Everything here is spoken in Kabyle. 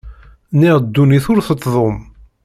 Niɣ ddunit ur tettdum.